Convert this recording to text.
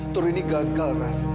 tur ini gagal res